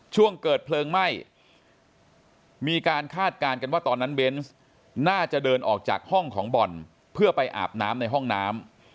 ช่วงเกิดเพลิงไหม้มีการคาดการณ์กันว่าตอนนั้นเบนส์น่าจะเดินออกจากห้องของบ่อนเพื่อไปอาบน้ำในห้องน้ำ